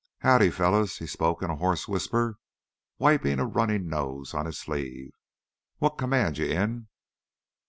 "Howdy, fellas," he spoke in a hoarse voice, and wiped a running nose on his sleeve. "What command you in?"